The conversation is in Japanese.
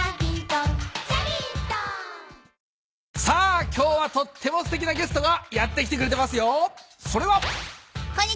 さあ今日はとってもすてきなゲストがやって来てくれてますよ。それは。